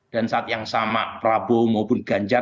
dan saat yang sama prabowo maupun ganjar